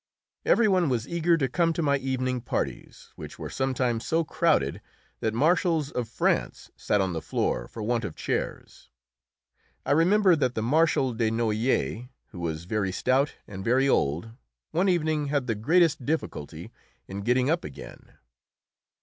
Every one was eager to come to my evening parties, which were sometimes so crowded that marshals of France sat on the floor for want of chairs. I remember that the Marshal de Noailles, who was very stout and very old, one evening had the greatest difficulty in getting up again.